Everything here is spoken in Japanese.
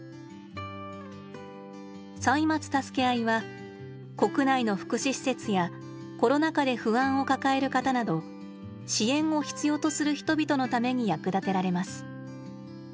「歳末たすけあい」は国内の福祉施設やコロナ禍で不安を抱える方など支援を必要とする人々のために役立てられます。